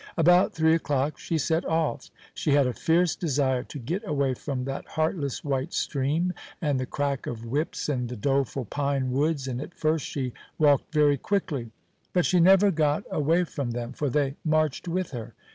About three o'clock she set off. She had a fierce desire to get away from that heartless white stream and the crack of whips and the doleful pine woods, and at first she walked very quickly; but she never got away from them, for they marched with her.